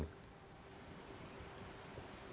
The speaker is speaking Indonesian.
ya saya senang mendengar penjelasan ini